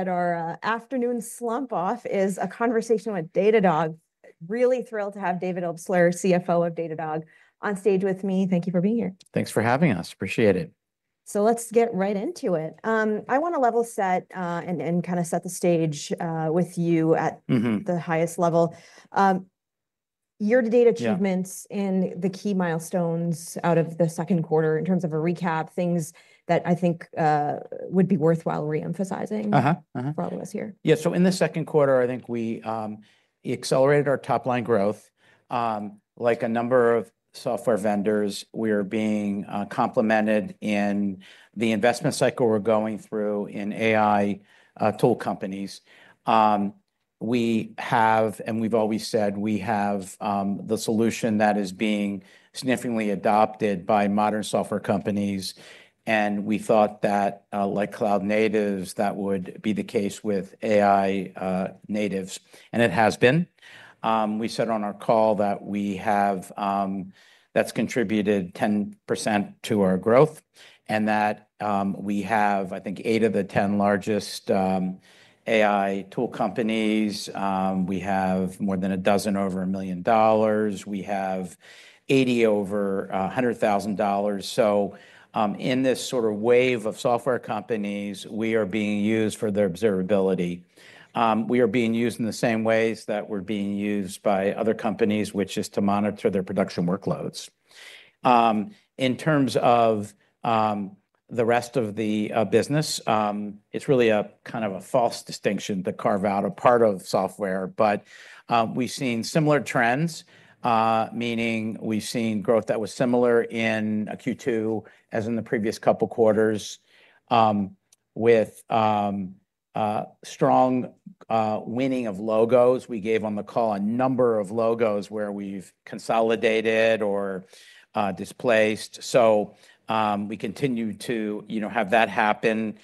At our afternoon slump off is a conversation with Datadog. Really thrilled to have David Obstler, CFO of Datadog, on stage with me. Thank you for being here. Thanks for having us. Appreciate it. So let's get right into it. I want to level set and kind of set the stage with you at the highest level. Year-to-date achievements and the key milestones out of the second quarter in terms of a recap, things that I think would be worthwhile reemphasizing for all of us here. Yeah. So in the second quarter, I think we accelerated our top-line growth. Like a number of software vendors, we are benefiting from the investment cycle we're going through in AI tool companies. We have, and we've always said, we have the solution that is being significantly adopted by modern software companies. And we thought that, like cloud natives, that would be the case with AI natives. And it has been. We said on our call that we have. That's contributed 10% to our growth, and that we have, I think, eight of the 10 largest AI tool companies. We have more than a dozen over $1 million. We have 80 over $100,000. So in this sort of wave of software companies, we are being used for their observability. We are being used in the same ways that we're being used by other companies, which is to monitor their production workloads. In terms of the rest of the business, it's really a kind of a false distinction to carve out a part of software. But we've seen similar trends, meaning we've seen growth that was similar in Q2 as in the previous couple quarters with strong winning of logos. We gave on the call a number of logos where we've consolidated or displaced. So we continue to have that happen.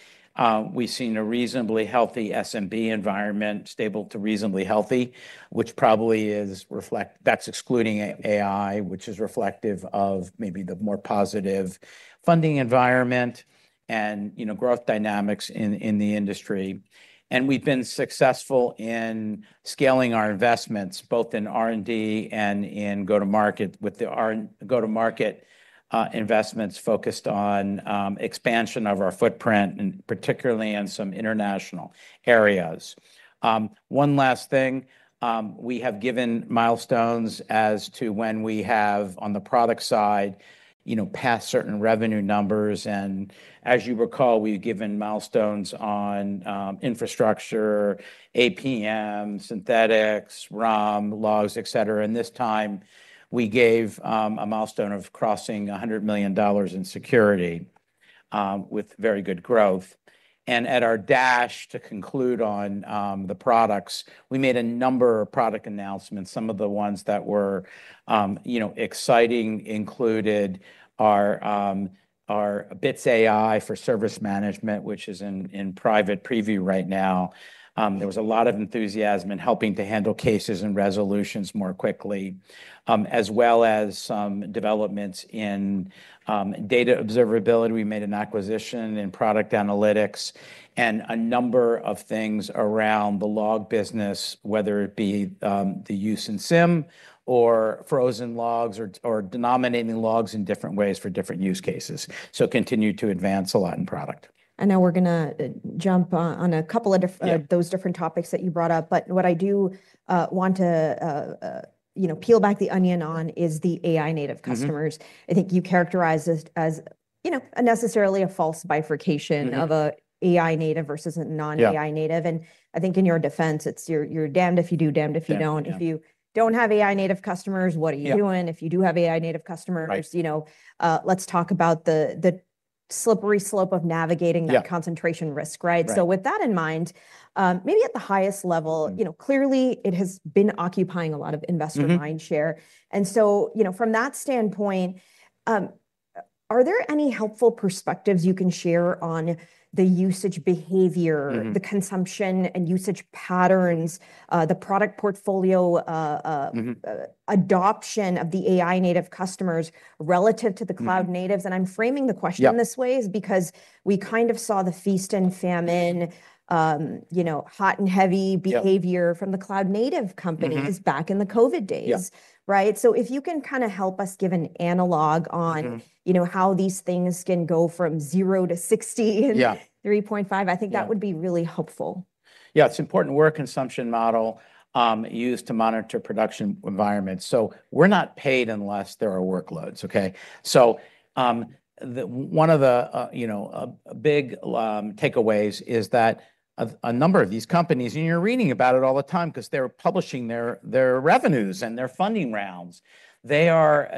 We've seen a reasonably healthy SMB environment, stable to reasonably healthy, which probably is reflective, that's excluding AI, which is reflective of maybe the more positive funding environment and growth dynamics in the industry. We've been successful in scaling our investments, both in R&D and in go-to-market with the go-to-market investments focused on expansion of our footprint, and particularly in some international areas. One last thing, we have given milestones as to when we have on the product side past certain revenue numbers. As you recall, we've given milestones on Infrastructure, APM, Synthetics, RUM, Logs, et cetera. This time, we gave a milestone of crossing $100 million in Security with very good growth. At our Dash to conclude on the products, we made a number of product announcements. Some of the ones that were exciting included our Bits AI for service management, which is in private preview right now. There was a lot of enthusiasm in helping to handle cases and resolutions more quickly, as well as some developments in data observability. We made an acquisition in Product Analytics and a number of things around the log business, whether it be the use in SIEM or Frozen Logs or denominating Logs in different ways for different use cases. So continue to advance a lot in product. I know we're going to jump on a couple of those different topics that you brought up. But what I do want to peel back the onion on is the AI native customers. I think you characterize this as unnecessarily a false bifurcation of an AI native versus a non-AI native. And I think in your defense, it's you're damned if you do, damned if you don't. If you don't have AI native customers, what are you doing? If you do have AI native customers, let's talk about the slippery slope of navigating that concentration risk, right? So with that in mind, maybe at the highest level, clearly it has been occupying a lot of investor mind share. And so from that standpoint, are there any helpful perspectives you can share on the usage behavior, the consumption and usage patterns, the product portfolio adoption of the AI native customers relative to the cloud natives? And I'm framing the question this way because we kind of saw the feast and famine, hot and heavy behavior from the cloud native companies back in the COVID days, right? So if you can kind of help us give an analogy on how these things can go from 0 to 60, 3.5, I think that would be really helpful. Yeah. It's important where consumption model used to monitor production environments. So we're not paid unless there are workloads, OK? So one of the big takeaways is that a number of these companies, and you're reading about it all the time because they're publishing their revenues and their funding rounds, they are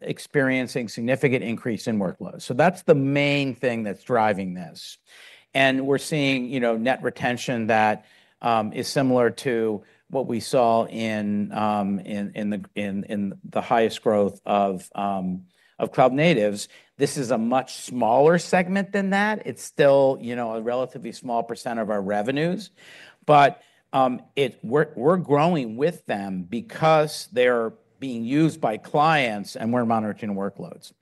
experiencing significant increase in workloads. So that's the main thing that's driving this. And we're seeing net retention that is similar to what we saw in the highest growth of cloud natives. This is a much smaller segment than that. It's still a relatively small percent of our revenues. But we're growing with them because they're being used by clients and we're monitoring workloads.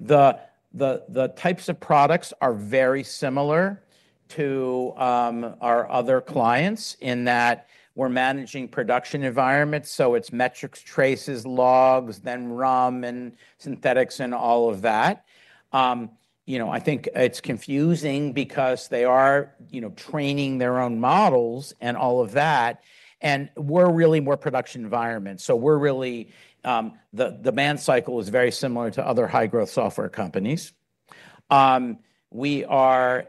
The types of products are very similar to our other clients in that we're managing production environments. So it's metrics, traces, Logs, then RUM and Synthetics and all of that. I think it's confusing because they are training their own models and all of that. And we're really more production environments. So the demand cycle is very similar to other high-growth software companies. We are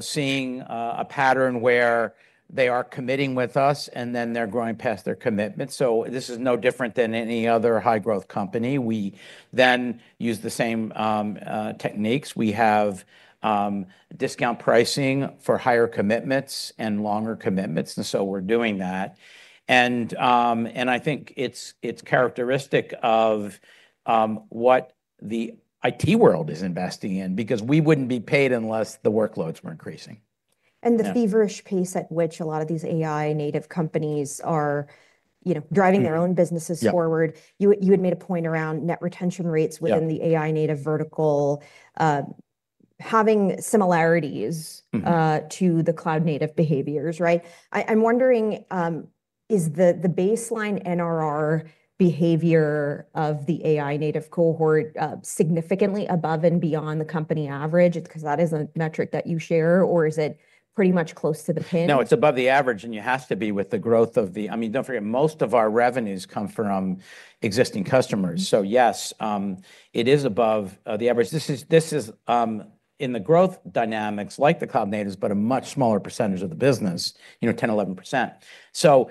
seeing a pattern where they are committing with us and then they're growing past their commitments. So this is no different than any other high-growth company. We then use the same techniques. We have discount pricing for higher commitments and longer commitments. And so we're doing that. And I think it's characteristic of what the IT world is investing in because we wouldn't be paid unless the workloads were increasing. The feverish pace at which a lot of these AI native companies are driving their own businesses forward. You had made a point around net retention rates within the AI native vertical, having similarities to the cloud native behaviors, right? I'm wondering, is the baseline NRR behavior of the AI native cohort significantly above and beyond the company average? Because that is a metric that you share, or is it pretty much close to the pin? No, it's above the average, and you have to be with the growth of the, I mean, don't forget, most of our revenues come from existing customers. So yes, it is above the average. This is in the growth dynamics, like the cloud natives, but a much smaller percentage of the business, 10%, 11%. So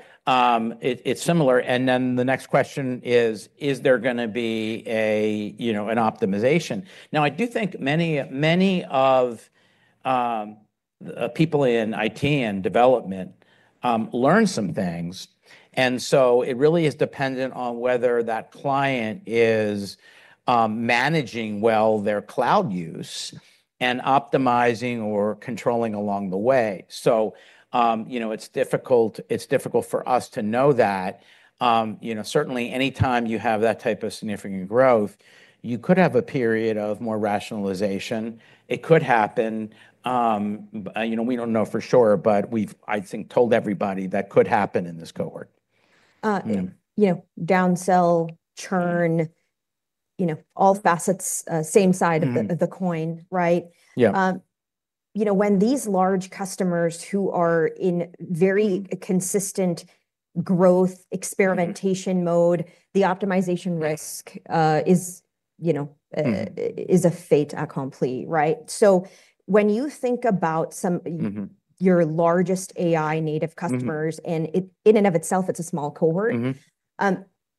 it's similar, and then the next question is, is there going to be an optimization? Now, I do think many of the people in IT and development learn some things. And so it really is dependent on whether that client is managing well their cloud use and optimizing or controlling along the way. So it's difficult for us to know that. Certainly, anytime you have that type of significant growth, you could have a period of more rationalization. It could happen. We don't know for sure, but we've, I think, told everybody that could happen in this cohort. Downsell, churn, all facets, same side of the coin, right? Yeah. When these large customers who are in very consistent growth experimentation mode, the optimization risk is a fait accompli, right? So when you think about your largest AI native customers, and in and of itself, it's a small cohort,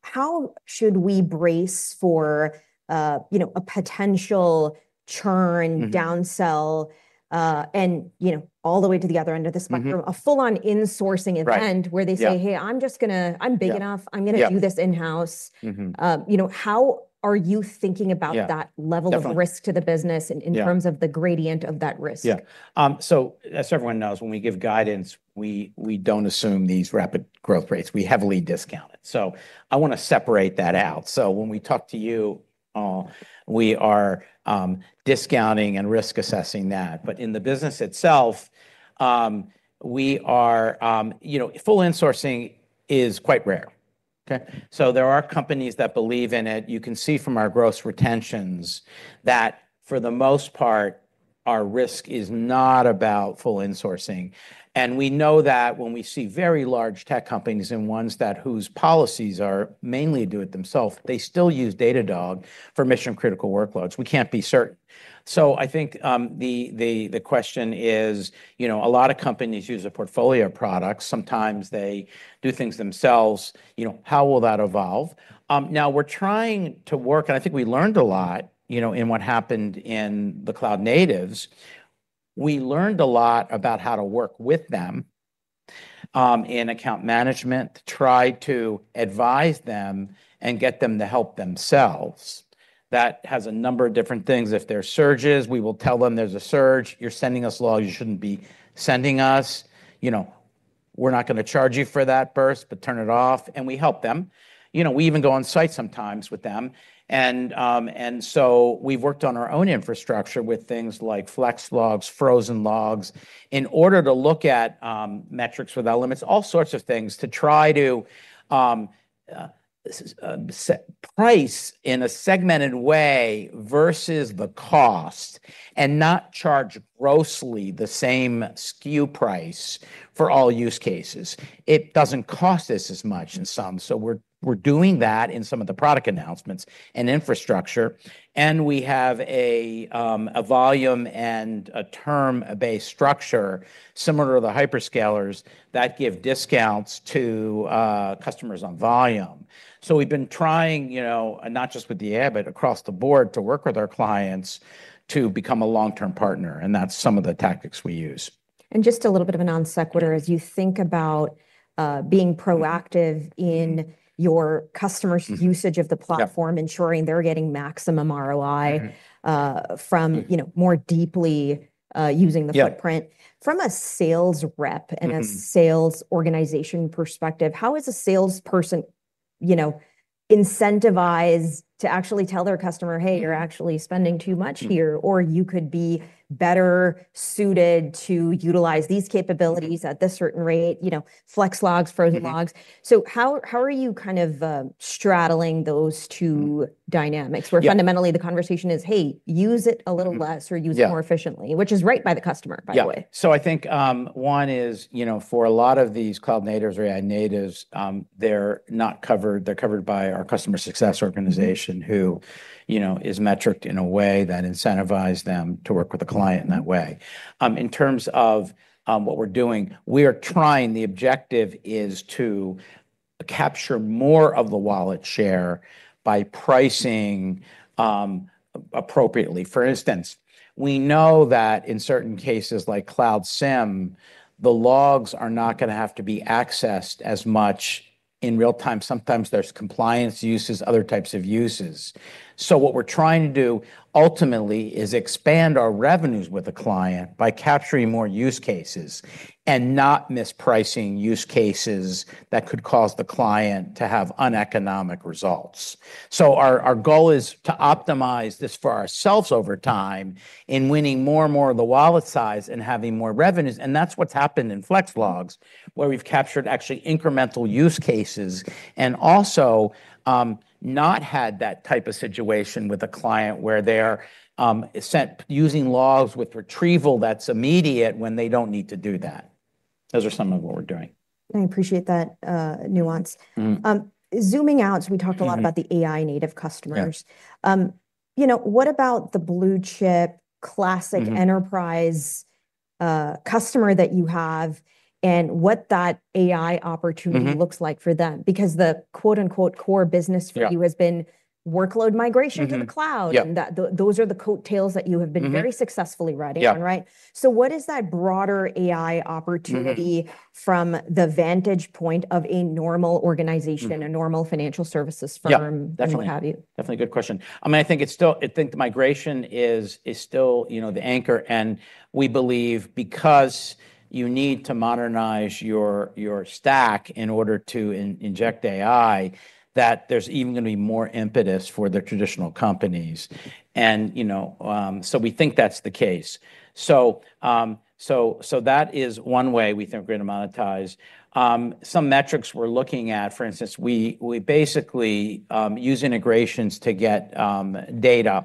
how should we brace for a potential churn, downsell, and all the way to the other end of the spectrum, a full-on insourcing event where they say, hey, I'm big enough. I'm going to do this in-house. How are you thinking about that level of risk to the business in terms of the gradient of that risk? Yeah. So as everyone knows, when we give guidance, we don't assume these rapid growth rates. We heavily discount it. So I want to separate that out. So when we talk to you, we are discounting and risk assessing that. But in the business itself, full insourcing is quite rare. So there are companies that believe in it. You can see from our gross retentions that, for the most part, our risk is not about full insourcing. And we know that when we see very large tech companies and ones whose policies are mainly do-it-yourself, they still use Datadog for mission-critical workloads. We can't be certain. So I think the question is, a lot of companies use a portfolio of products. Sometimes they do things themselves. How will that evolve? Now, we're trying to work, and I think we learned a lot in what happened in the cloud natives. We learned a lot about how to work with them in account management, tried to advise them and get them to help themselves. That has a number of different things. If there are surges, we will tell them there's a surge. You're sending us Logs. You shouldn't be sending us. We're not going to charge you for that burst, but turn it off, and we help them. We even go on site sometimes with them, and so we've worked on our own Infrastructure with things like Flex Logs, Frozen Logs, in order to look at metrics without limits, all sorts of things to try to price in a segmented way versus the cost and not charge grossly the same SKU price for all use cases. It doesn't cost us as much in some. So we're doing that in some of the product announcements and Infrastructure. And we have a volume and a term-based structure similar to the hyperscalers that give discounts to customers on volume. So we've been trying, not just with the AI, but across the board to work with our clients to become a long-term partner. And that's some of the tactics we use. Just a little bit of an intense quarter, as you think about being proactive in your customer's usage of the platform, ensuring they're getting maximum ROI from more deeply using the footprint. From a sales rep and a sales organization perspective, how is a salesperson incentivized to actually tell their customer, hey, you're actually spending too much here, or you could be better suited to utilize these capabilities at this certain rate, Flex Logs, Frozen Logs? So how are you kind of straddling those two dynamics where fundamentally the conversation is, hey, use it a little less or use it more efficiently, which is right by the customer, by the way? Yeah. So I think one is for a lot of these cloud natives or AI natives, they're covered by our customer success organization, who is metric in a way that incentivizes them to work with the client in that way. In terms of what we're doing, we are trying. The objective is to capture more of the wallet share by pricing appropriately. For instance, we know that in certain cases like Cloud SIEM, the Logs are not going to have to be accessed as much in real time. Sometimes there's compliance uses, other types of uses. So what we're trying to do ultimately is expand our revenues with a client by capturing more use cases and not mispricing use cases that could cause the client to have uneconomic results. So our goal is to optimize this for ourselves over time in winning more and more of the wallet size and having more revenues. And that's what's happened in Flex Logs, where we've captured actually incremental use cases and also not had that type of situation with a client where they're using Logs with retrieval that's immediate when they don't need to do that. Those are some of what we're doing. I appreciate that nuance. Zooming out, so we talked a lot about the AI native customers. What about the blue chip classic enterprise customer that you have and what that AI opportunity looks like for them? Because the quote unquote core business for you has been workload migration to the cloud. And those are the coattails that you have been very successfully riding, right? So what is that broader AI opportunity from the vantage point of a normal organization, a normal financial services firm? Yeah, definitely. What have you? Definitely a good question. I mean, I think it's still the migration is still the anchor. And we believe, because you need to modernize your stack in order to inject AI, that there's even going to be more impetus for the traditional companies. And so we think that's the case. So that is one way we think we're going to monetize. Some metrics we're looking at, for instance, we basically use integrations to get data.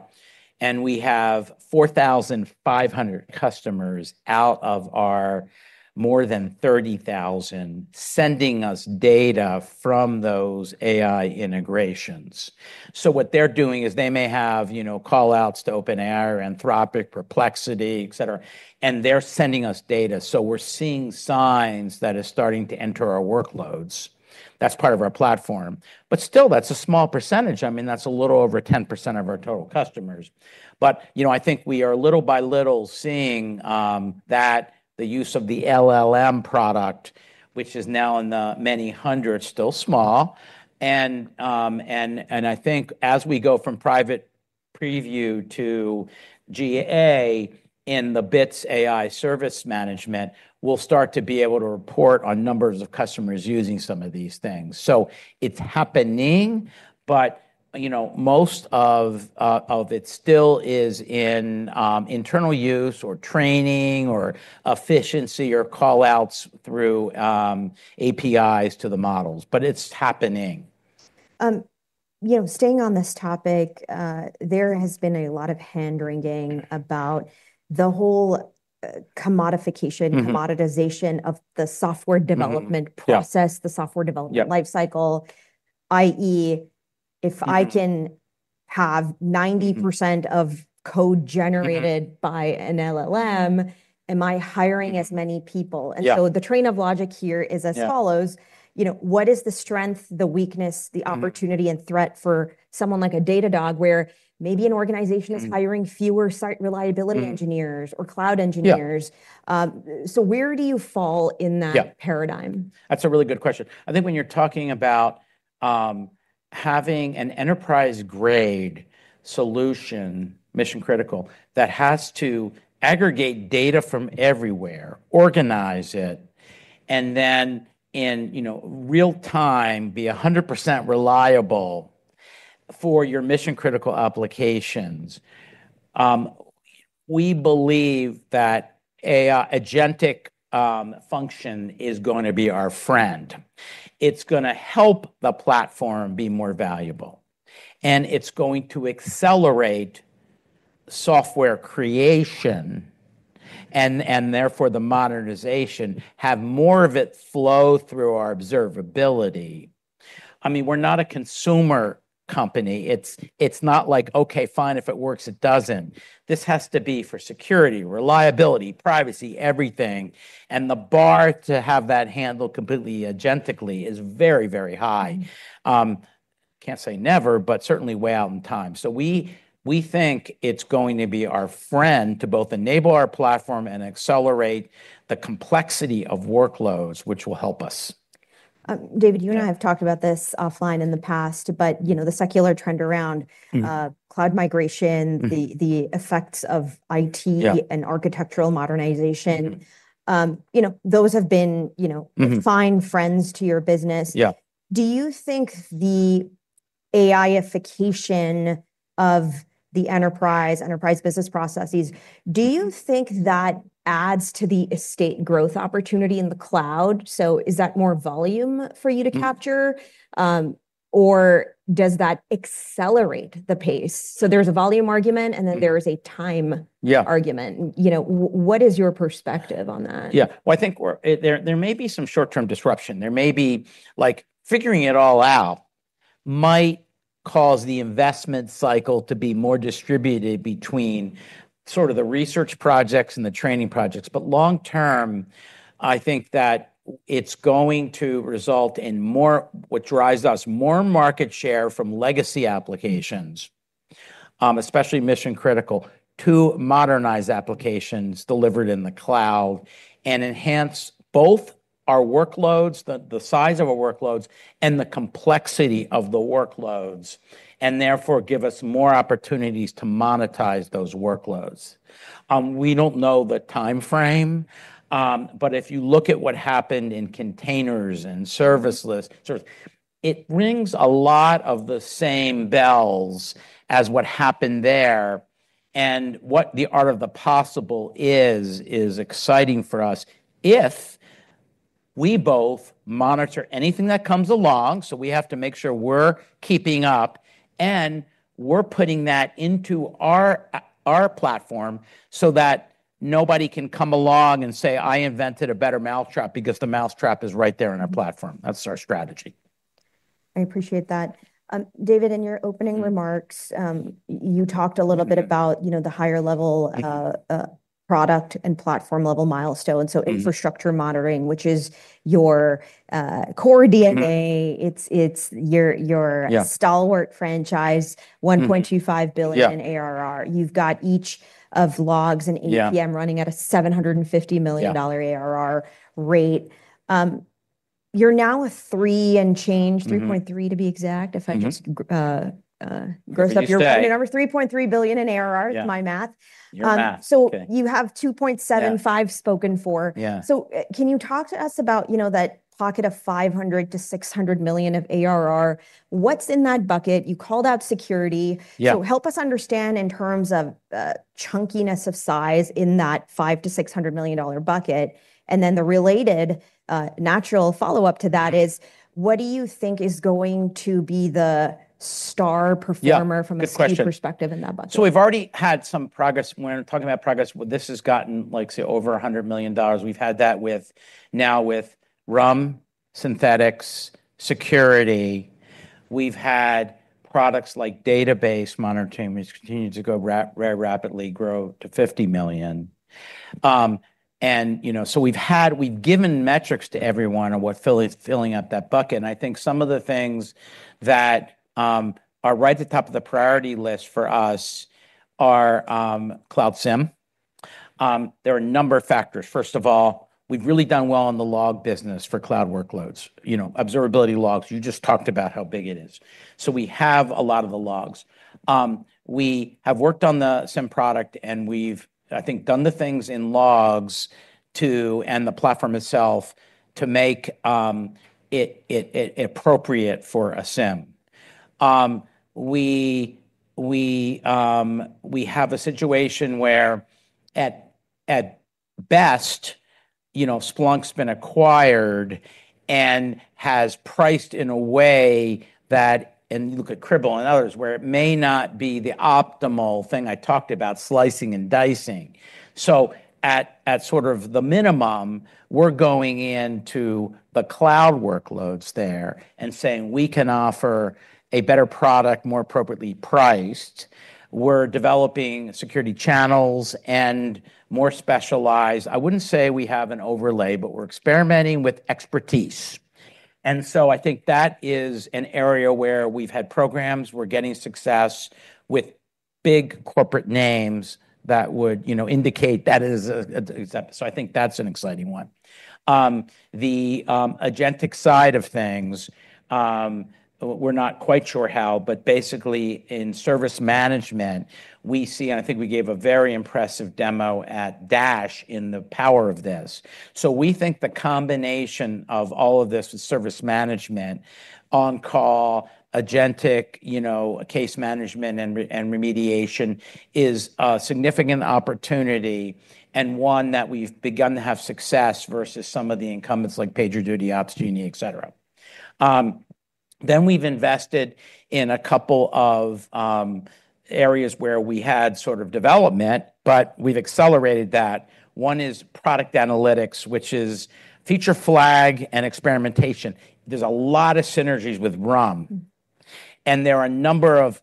And we have 4,500 customers out of our more than 30,000 sending us data from those AI integrations. So what they're doing is they may have callouts to OpenAI or Anthropic, Perplexity, et cetera. And they're sending us data. So we're seeing signs that are starting to enter our workloads. That's part of our platform. But still, that's a small percentage. I mean, that's a little over 10% of our total customers. But I think we are little by little seeing that the use of the LLM product, which is now in the many hundreds, still small. And I think as we go from Private Preview to GA in the Bits AI Service Management, we'll start to be able to report on numbers of customers using some of these things. So it's happening, but most of it still is in internal use or training or efficiency or callouts through APIs to the models. But it's happening. Staying on this topic, there has been a lot of hand-wringing about the whole commodification, commoditization of the software development process, the software development lifecycle, i.e., if I can have 90% of code generated by an LLM, am I hiring as many people? And so the train of logic here is as follows. What is the strength, the weakness, the opportunity, and threat for someone like a Datadog where maybe an organization is hiring fewer site reliability engineers or cloud engineers? So where do you fall in that paradigm? That's a really good question. I think when you're talking about having an enterprise-grade solution, mission-critical, that has to aggregate data from everywhere, organize it, and then in real time be 100% reliable for your mission-critical applications, we believe that agentic function is going to be our friend. It's going to help the platform be more valuable, and it's going to accelerate software creation and therefore the modernization, have more of it flow through our observability. I mean, we're not a consumer company. It's not like, OK, fine, if it works, it doesn't. This has to be for Security, reliability, privacy, everything, and the bar to have that handled completely agentically is very, very high. Can't say never, but certainly way out in time. We think it's going to be our friend to both enable our platform and accelerate the complexity of workloads, which will help us. David, you and I have talked about this offline in the past, but the secular trend around cloud migration, the effects of IT and architectural modernization, those have been fine friends to your business. Do you think the AI-ification of the enterprise, enterprise business processes, do you think that adds to the estate growth opportunity in the cloud? So is that more volume for you to capture, or does that accelerate the pace? So there's a volume argument, and then there is a time argument. What is your perspective on that? Yeah. Well, I think there may be some short-term disruption. There may be like figuring it all out might cause the investment cycle to be more distributed between sort of the research projects and the training projects. But long term, I think that it's going to result in more what drives us more market share from legacy applications, especially mission-critical, to modernized applications delivered in the cloud and enhance both our workloads, the size of our workloads, and the complexity of the workloads, and therefore give us more opportunities to monetize those workloads. We don't know the time frame. But if you look at what happened in containers and serverless, it rings a lot of the same bells as what happened there. And what the art of the possible is, is exciting for us if we can monitor anything that comes along. We have to make sure we're keeping up and we're putting that into our platform so that nobody can come along and say, I invented a better mousetrap because the mousetrap is right there in our platform. That's our strategy. I appreciate that. David, in your opening remarks, you talked a little bit about the higher level product and platform level milestones, so Infrastructure monitoring, which is your core DNA. It's your stalwart franchise, $1.25 billion in ARR. You've got each of Logs and APM running at a $750 million ARR rate. You're now a 3 and change, 3.3 to be exact, if I just gross up your revenue number. $3.3 billion in ARR is my math. So you have 2.75 spoken for. So can you talk to us about that pocket of $500 million-$600 million of ARR? What's in that bucket? You called out Security. So help us understand in terms of chunkiness of size in that $500 million-$600 million bucket. The related natural follow-up to that is, what do you think is going to be the star performer from a Security perspective in that bucket? So we've already had some progress. When we're talking about progress, this has gotten like over $100 million. We've had that now with RUM, Synthetics, Security. We've had products like Database Monitoring which continues to go very rapidly, grow to $50 million. And so we've given metrics to everyone on what filling up that bucket. And I think some of the things that are right at the top of the priority list for us are Cloud SIEM. There are a number of factors. First of all, we've really done well in the log business for cloud workloads, observability Logs. You just talked about how big it is. So we have a lot of the Logs. We have worked on the SIEM product, and we've, I think, done the things in Logs and the platform itself to make it appropriate for a SIEM. We have a situation where at best, Splunk's been acquired and has priced in a way that, and look at Cribl and others, where it may not be the optimal thing I talked about, slicing and dicing, so at sort of the minimum, we're going into the cloud workloads there and saying we can offer a better product, more appropriately priced. We're developing Security channels and more specialized. I wouldn't say we have an overlay, but we're experimenting with expertise, and so I think that is an area where we've had programs. We're getting success with big corporate names that would indicate that is a so I think that's an exciting one. The agentic side of things, we're not quite sure how, but basically in service management, we see, and I think we gave a very impressive demo at Dash in the power of this. So we think the combination of all of this with service management, on-call, agentic, case management, and remediation is a significant opportunity and one that we've begun to have success versus some of the incumbents like PagerDuty, Opsgenie, et cetera. Then we've invested in a couple of areas where we had sort of development, but we've accelerated that. One is Product Analytics, which is feature flag and experimentation. There's a lot of synergies with RUM. And there are a number of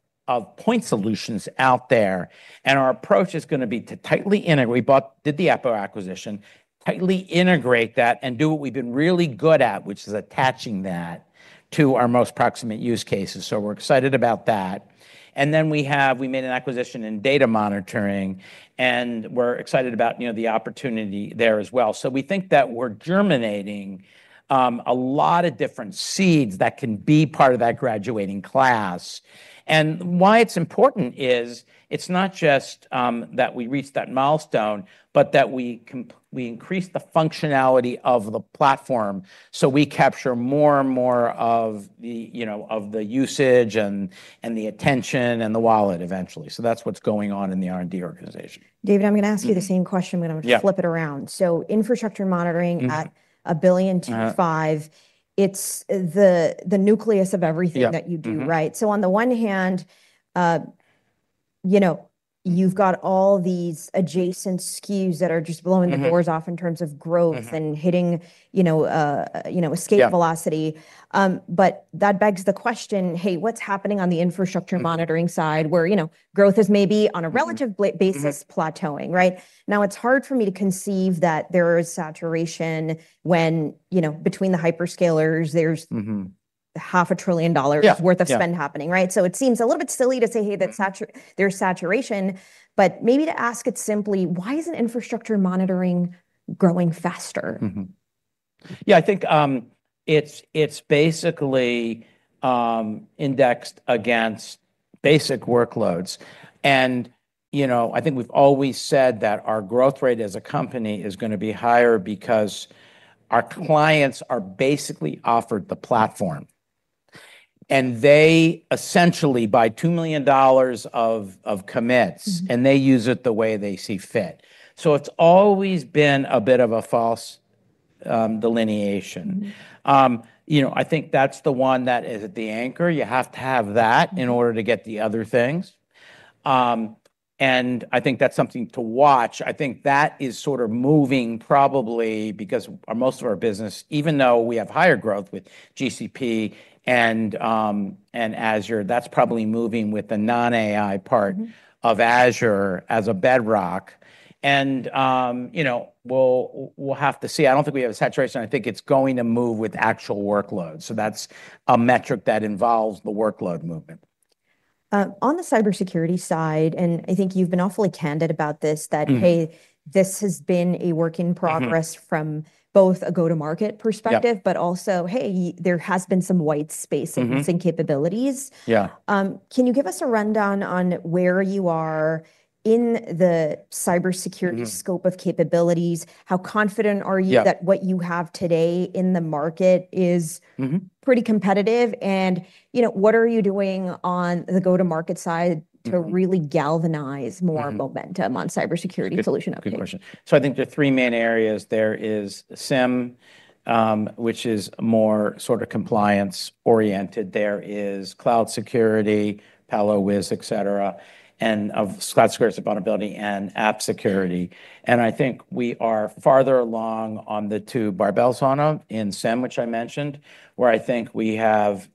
point solutions out there. And our approach is going to be to tightly integrate. We did the Appleseed] acquisition, tightly integrate that and do what we've been really good at, which is attaching that to our most proximate use cases. So we're excited about that. And then we made an acquisition in data monitoring. And we're excited about the opportunity there as well. So we think that we're germinating a lot of different seeds that can be part of that graduating class. And why it's important is it's not just that we reach that milestone, but that we increase the functionality of the platform so we capture more and more of the usage and the attention and the wallet eventually. So that's what's going on in the R&D organization. David, I'm going to ask you the same question, but I'm going to flip it around. So Infrastructure monitoring at a billion to five, it's the nucleus of everything that you do, right? So on the one hand, you've got all these adjacent SKUs that are just blowing the doors off in terms of growth and hitting escape velocity. But that begs the question, hey, what's happening on the Infrastructure monitoring side where growth is maybe on a relative basis plateauing, right? Now, it's hard for me to conceive that there is saturation when between the hyperscalers, there's $500 billion worth of spend happening, right? So it seems a little bit silly to say, hey, there's saturation. But maybe to ask it simply, why isn't Infrastructure monitoring growing faster? Yeah, I think it's basically indexed against basic workloads, and I think we've always said that our growth rate as a company is going to be higher because our clients are basically offered the platform. And they essentially buy $2 million of commits, and they use it the way they see fit, so it's always been a bit of a false delineation. I think that's the one that is at the anchor. You have to have that in order to get the other things, and I think that's something to watch. I think that is sort of moving probably because most of our business, even though we have higher growth with GCP and Azure, that's probably moving with the non-AI part of Azure as a bedrock, and we'll have to see. I don't think we have a saturation. I think it's going to move with actual workloads. That's a metric that involves the workload movement. On the cybersecurity side, and I think you've been awfully candid about this, that, hey, this has been a work in progress from both a go-to-market perspective, but also, hey, there has been some white space in some capabilities. Can you give us a rundown on where you are in the cybersecurity scope of capabilities? How confident are you that what you have today in the market is pretty competitive? And what are you doing on the go-to-market side to really galvanize more momentum on cybersecurity solution upcoming? Good question, so I think the three main areas, there is SIEM, which is more sort of compliance-oriented. There is Cloud Security, Palo, Wiz, et cetera, and Cloud Security and vulnerability and App Security, and I think we are farther along on the two barbell ends in SIEM, which I mentioned, where I think we have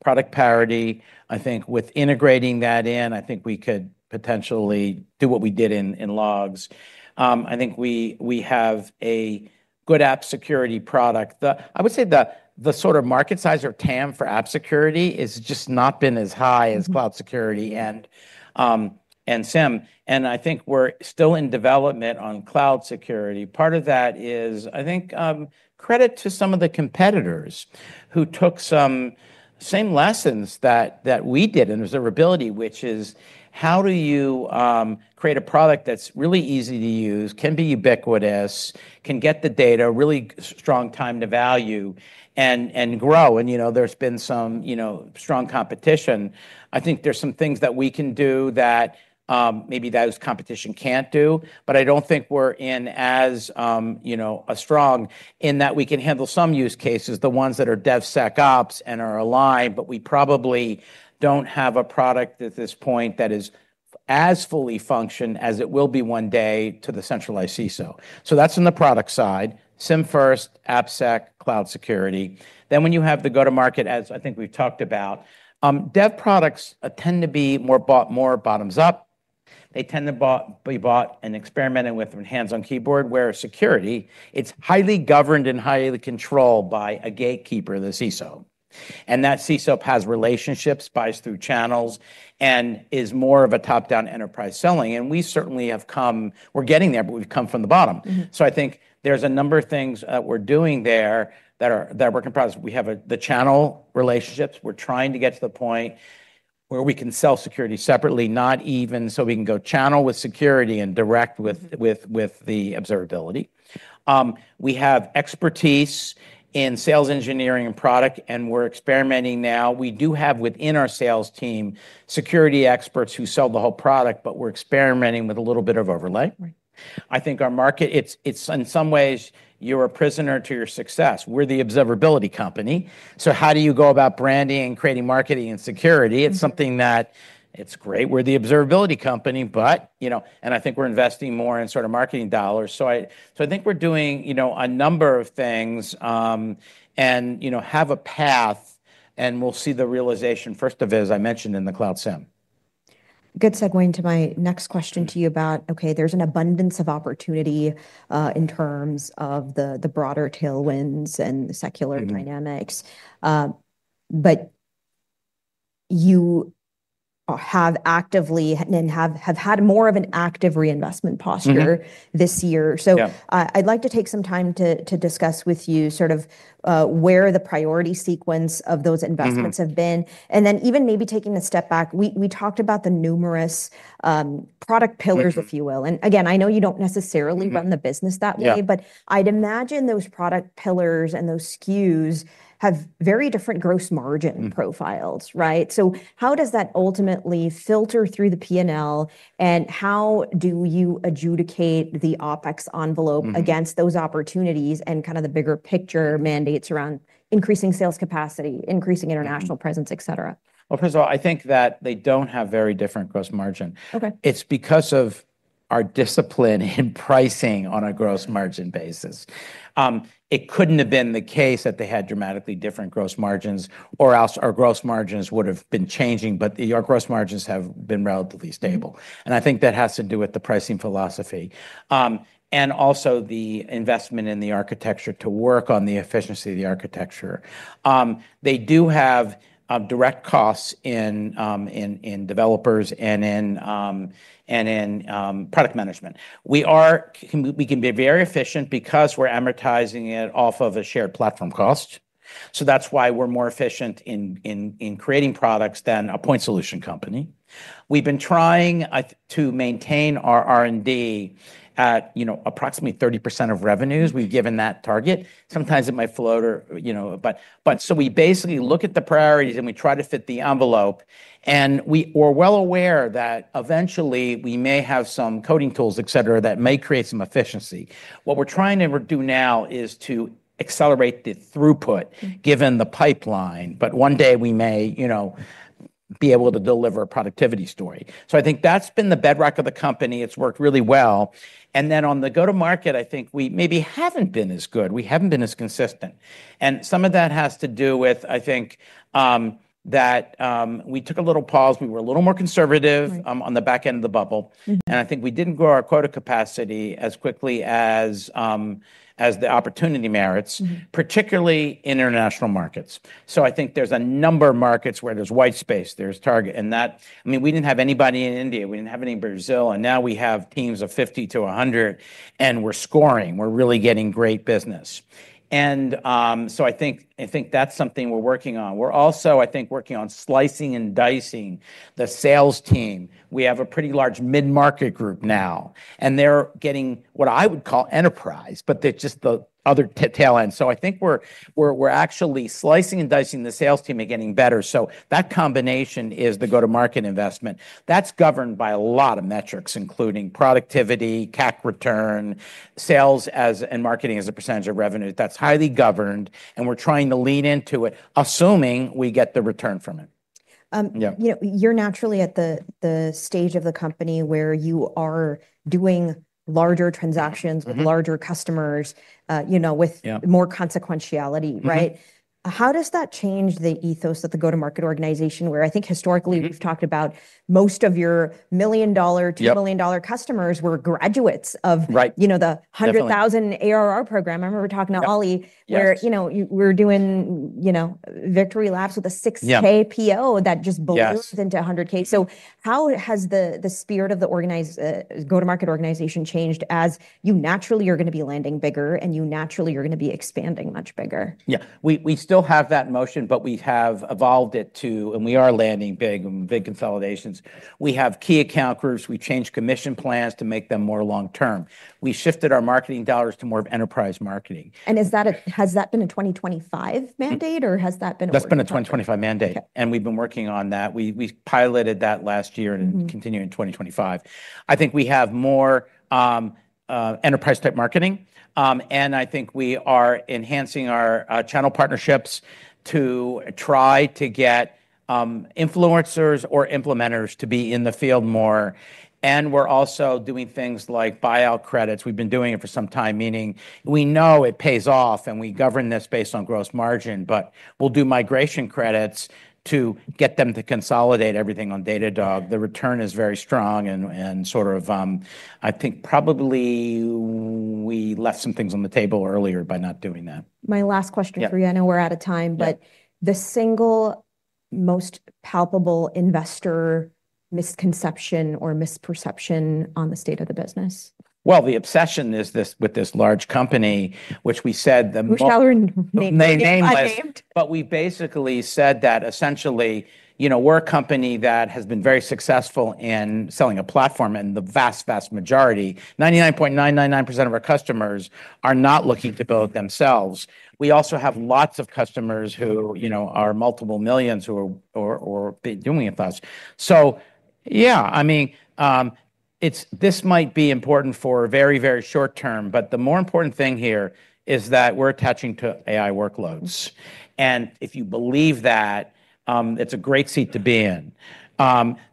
product parity. I think with integrating that in, I think we could potentially do what we did in Logs. I think we have a good App Security product. I would say the sort of market size or TAM for App Security has just not been as high as Cloud Security and SIEM, and I think we're still in development on Cloud Security. Part of that is, I think, credit to some of the competitors who took some same lessons that we did in observability, which is how do you create a product that's really easy to use, can be ubiquitous, can get the data, really strong time to value, and grow, and there's been some strong competition. I think there's some things that we can do that maybe those competition can't do, but I don't think we're in as strong in that we can handle some use cases, the ones that are DevSecOps and are aligned, but we probably don't have a product at this point that is as fully functioned as it will be one day to the centralized CISO, so that's on the product side, SIEM first, AppSec, Cloud Security, then when you have the go-to-market, as I think we've talked about, dev products tend to be more bottoms up. They tend to be bought and experimented with and hands-on keyboard. Whereas Security, it's highly governed and highly controlled by a gatekeeper, the CISO, and that CISO has relationships, buys through channels, and is more of a top-down enterprise selling, and we certainly have come, we're getting there, but we've come from the bottom, so I think there's a number of things that we're doing there that are work in progress. We have the channel relationships. We're trying to get to the point where we can sell Security separately, not even so we can go channel with Security and direct with the observability. We have expertise in sales engineering and product, and we're experimenting now. We do have within our sales team Security experts who sell the whole product, but we're experimenting with a little bit of overlay. I think our market, it's in some ways you're a prisoner to your success. We're the observability company. So how do you go about branding and creating marketing and Security? It's something that it's great. We're the observability company, but, and I think we're investing more in sort of marketing dollars. So I think we're doing a number of things and have a path, and we'll see the realization, first of it, as I mentioned, in the Cloud SIEM. Good segue into my next question to you about, okay, there's an abundance of opportunity in terms of the broader tailwinds and secular dynamics. But you have actively and have had more of an active reinvestment posture this year. So I'd like to take some time to discuss with you sort of where the priority sequence of those investments have been. And then even maybe taking a step back, we talked about the numerous product pillars, if you will. And again, I know you don't necessarily run the business that way, but I'd imagine those product pillars and those SKUs have very different gross margin profiles, right? So how does that ultimately filter through the P&L, and how do you adjudicate the OPEX envelope against those opportunities and kind of the bigger picture mandates around increasing sales capacity, increasing international presence, et cetera? First of all, I think that they don't have very different gross margin. It's because of our discipline in pricing on a gross margin basis. It couldn't have been the case that they had dramatically different gross margins, or else our gross margins would have been changing, but our gross margins have been relatively stable. I think that has to do with the pricing philosophy and also the investment in the architecture to work on the efficiency of the architecture. They do have direct costs in developers and in product management. We can be very efficient because we're amortizing it off of a shared platform cost. That's why we're more efficient in creating products than a point solution company. We've been trying to maintain our R&D at approximately 30% of revenues. We've given that target. Sometimes it might float, but so we basically look at the priorities and we try to fit the envelope. And we're well aware that eventually we may have some coding tools, et cetera, that may create some efficiency. What we're trying to do now is to accelerate the throughput given the pipeline, but one day we may be able to deliver a productivity story. So I think that's been the bedrock of the company. It's worked really well. And then on the go-to-market, I think we maybe haven't been as good. We haven't been as consistent. And some of that has to do with, I think, that we took a little pause. We were a little more conservative on the back end of the bubble. And I think we didn't grow our quota capacity as quickly as the opportunity merits, particularly international markets. So I think there's a number of markets where there's white space. There's target, and that, I mean, we didn't have anybody in India. We didn't have any in Brazil, and now we have teams of 50-100, and we're scoring. We're really getting great business, and so I think that's something we're working on. We're also, I think, working on slicing and dicing the sales team. We have a pretty large mid-market group now, and they're getting what I would call enterprise, but they're just the other tail end, so I think we're actually slicing and dicing the sales team and getting better. So that combination is the go-to-market investment. That's governed by a lot of metrics, including productivity, CAC return, sales, and marketing as a percentage of revenue. That's highly governed, and we're trying to lean into it, assuming we get the return from it. You're naturally at the stage of the company where you are doing larger transactions with larger customers, with more consequentiality, right? How does that change the ethos of the go-to-market organization where I think historically we've talked about most of your million-dollar to multi-million-dollar customers were graduates of the 100,000 ARR program? I remember talking to Oli where we were doing Victory Labs with a $6,000 PO that just blows into $100,000. So how has the spirit of the go-to-market organization changed as you naturally are going to be landing bigger and you naturally are going to be expanding much bigger? Yeah, we still have that motion, but we have evolved it to, and we are landing big and big consolidations. We have key account groups. We changed commission plans to make them more long-term. We shifted our marketing dollars to more of enterprise marketing. Has that been a 2025 mandate, or has that been a? That's been a 2025 mandate, and we've been working on that. We piloted that last year and continue in 2025. I think we have more enterprise-type marketing, and I think we are enhancing our channel partnerships to try to get influencers or implementers to be in the field more. And we're also doing things like buyout credits. We've been doing it for some time, meaning we know it pays off, and we govern this based on gross margin, but we'll do migration credits to get them to consolidate everything on Datadog. The return is very strong and sort of, I think probably we left some things on the table earlier by not doing that. My last question for you. I know we're out of time, but the single most palpable investor misconception or misperception on the state of the business? The obsession is with this large company, which we said the. [Which shall remain nameless.] They named us, but we basically said that essentially we're a company that has been very successful in selling a platform in the vast, vast majority. 99.999% of our customers are not looking to build themselves. We also have lots of customers who are multiple millions who are doing with us. So yeah, I mean, this might be important for very, very short-term, but the more important thing here is that we're attaching to AI workloads. And if you believe that, it's a great seat to be in.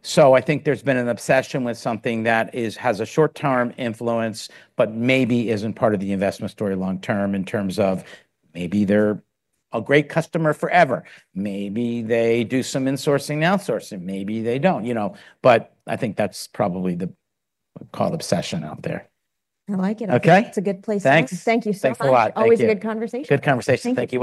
So I think there's been an obsession with something that has a short-term influence, but maybe isn't part of the investment story long-term in terms of maybe they're a great customer forever. Maybe they do some insourcing and outsourcing. Maybe they don't. But I think that's probably the whole obsession out there. I like it. It's a good place. Thank you so much. Always good conversation. Good conversation.